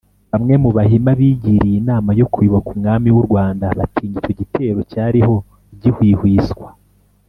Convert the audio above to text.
bamwe mu bahima bigiriye inama yo kuyoboka umwami w’u Rwanda batinya icyo gitero cyariho gihwihwiswa